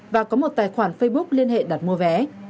và có một tài khoản facebook liên hệ đặt mua vé